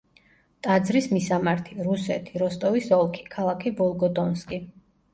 ტაძრის მისამართი: რუსეთი, როსტოვის ოლქი, ქალაქი ვოლგოდონსკი.